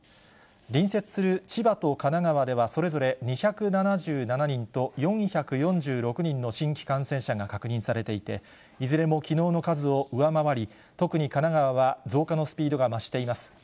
隣接する千葉と神奈川では、それぞれ２７７人と４４６人の新規感染者が確認されていて、いずれもきのうの数を上回り、特に神奈川は増加のスピードが増しています。